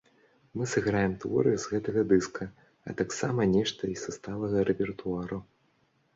Мы сыграем творы з гэтага дыска, а таксама нешта і са сталага рэпертуару.